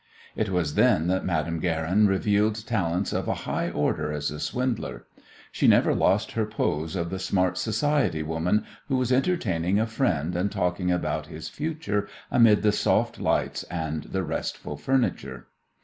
It was then that Madame Guerin revealed talents of a high order as a swindler. She never lost her pose of the smart society woman who was entertaining a friend and talking about his future amid the soft lights and the restful furniture.